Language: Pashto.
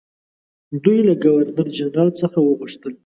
دوی له ګورنرجنرال څخه وغوښتل.